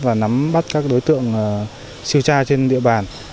và nắm bắt các đối tượng sư tra trên địa bàn